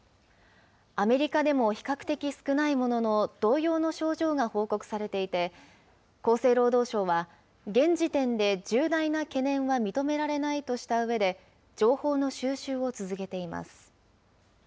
アメリカでも比較的少ないものの、同様の症状が報告されていて、厚生労働省は、現時点で重大な懸念は認められないとしたうえで、情報の収集を続けています。